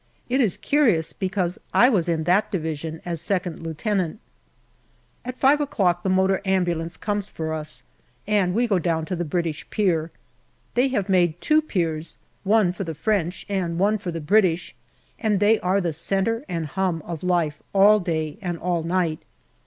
It is curious, because I was in that Division as Second Lieutenant. At five o'clock the motor ambulance comes for us, and we go down to the British Pier. They have made two piers, one for the French and one for the British, and they are the centre and hum of life all day and all night.